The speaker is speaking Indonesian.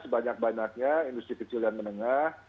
sebanyak banyaknya industri kecil dan menengah